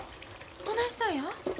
どないしたんや？